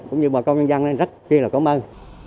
cũng như bà công nhân dân rất kia là cảm ơn